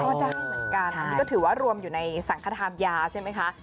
ก็ได้เหมือนกันอันนี้ก็ถือว่ารวมอยู่ในสังขทานยาใช่ไหมคะ